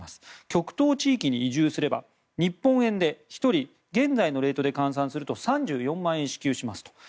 極東地域に移住すれば日本円で１人現在のレートで換算すると３４万円支給しますと。